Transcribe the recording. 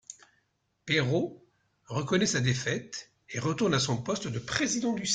Pero reconnaît sa défaite et retourne à son poste de président du Sénat.